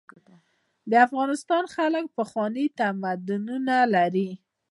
د افغانستان خلک پخواني تمدنونه لري.